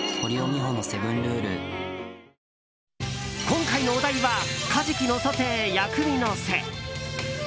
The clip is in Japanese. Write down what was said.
今回のお題はカジキのソテー薬味のせ。